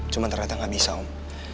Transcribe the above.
cuma ternyata nggak bisa om